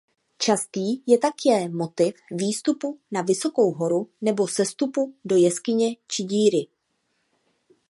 Častý je také motiv výstupu na vysokou horu nebo sestupu do jeskyně či díry.